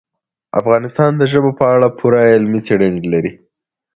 افغانستان د ژبو په اړه پوره علمي څېړنې لري.